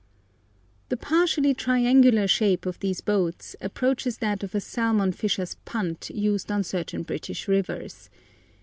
The partially triangular shape of these boats approaches that of a salmon fisher's punt used on certain British rivers.